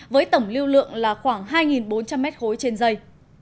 với tổng lưu lượng là khoảng hai bốn trăm linh m ba trên dây